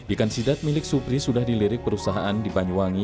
ikan sidat milik supri sudah dilirik perusahaan di banyuwangi